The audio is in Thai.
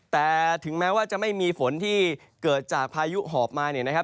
แต่ถึงแม้ว่าจะไม่มีฝนที่เกิดจากพายุหอบมา